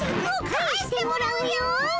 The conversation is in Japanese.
返してもらうよ！